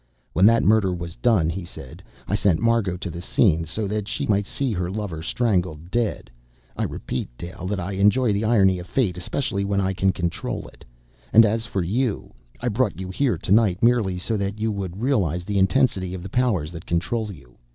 "When that murder was done," he said, "I sent Margot to the scene, so that she might see her lover strangled, dead. I repeat, Dale, that I enjoy the irony of fate, especially when I can control it. And as for you I brought you here to night merely so that you would realize the intensity of the powers that control you.